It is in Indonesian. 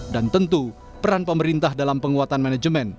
dan tentu peran pemerintah dalam penguatan manajemen